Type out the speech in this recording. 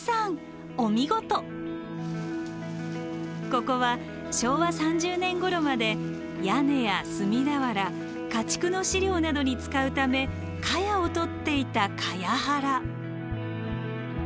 ここは昭和３０年ごろまで屋根や炭俵家畜の飼料などに使うためかやを採っていたかや原。